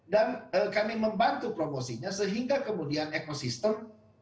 kami membantu promosinya sehingga kemudian ekosistem